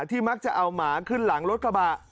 มักจะเอาหมาขึ้นหลังรถกระบะ